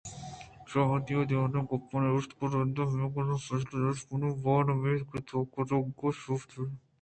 شادو ءَ دوئینانی گپّانی اِشکُنگ ءَ رند ہمے گوٛشان ءَ فیصلہ دات منا باور نہ بیت کہ توئے گُرک چُشیں بے ارزشتیں چیزے ءَ سوگند بُہ ورئے